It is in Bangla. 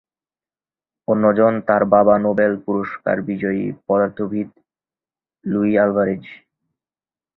অন্য জন তার বাবা নোবেল পুরস্কার বিজয়ী পদার্থবিদ লুই আলভারেজ।